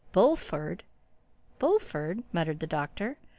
"Bullford!—Bullford!" muttered the Doctor.